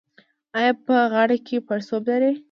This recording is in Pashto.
ایا په غاړه کې پړسوب لرئ؟